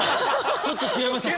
ちょっと違いました。